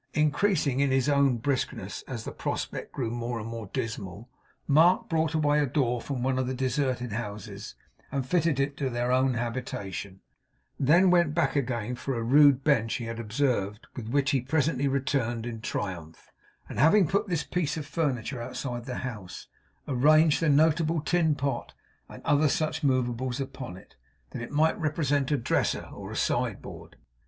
Increasing in his own briskness as the prospect grew more and more dismal, Mark brought away a door from one of the deserted houses, and fitted it to their own habitation; then went back again for a rude bench he had observed, with which he presently returned in triumph; and having put this piece of furniture outside the house, arranged the notable tin pot and other such movables upon it, that it might represent a dresser or a sideboard.